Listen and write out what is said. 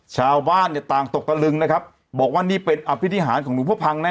ชาวบ้านเนี่ยต่างตกตะลึงนะครับบอกว่านี่เป็นอภินิหารของหลวงพ่อพังแน